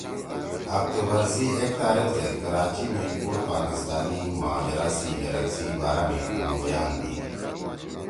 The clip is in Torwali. اکتوبر سی ایک تاریخ زید کراچی می بُوڑ پاکستانی مہاجرا سی یرک سی بارا می تنُو بیان دیِد